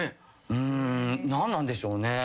うん何なんでしょうね。